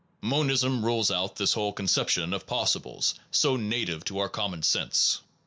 Monism rules out this whole conception of possibles, so native to our common sense.